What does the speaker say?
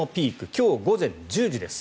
今日午前１０時です。